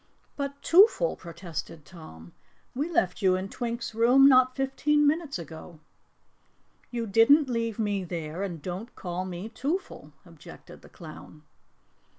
"But, Twoffle," protested Tom, "we left you in Twink's room not fifteen minutes ago." "You didn't leave me there, and don't call me Twoffle," objected the clown.